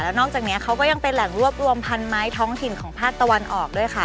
นอกจากนี้เขาก็ยังเป็นแหล่งรวบรวมพันไม้ท้องถิ่นของภาคตะวันออกด้วยค่ะ